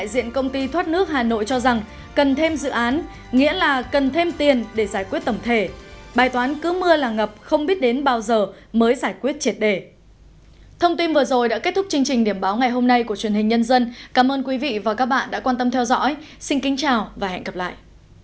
xin kính chào và hẹn gặp lại